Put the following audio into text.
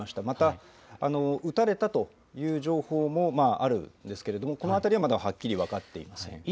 また、撃たれたという情報もあるんですけれども、このあたりはまだはっきり分かっていません。